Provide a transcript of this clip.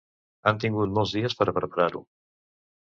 Han tingut molts dies per a preparar-ho.